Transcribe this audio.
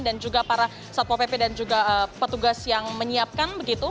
dan juga para satpo pp dan juga petugas yang menyiapkan begitu